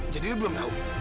jadi lo belum tahu